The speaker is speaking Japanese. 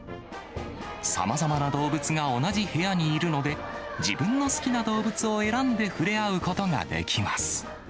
さまざまな動物が同じ部屋にいるので、自分の好きな動物を選んで触れ合うことができます。